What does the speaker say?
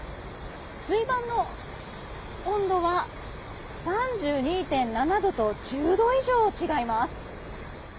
水盤の温度は３２．７度と１０度以上違います。